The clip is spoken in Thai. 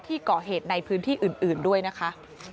ก่อเหตุในพื้นที่อื่นด้วยนะคะ